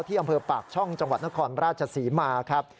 อำเภอปากช่องจังหวัดนครราชศรีมาครับ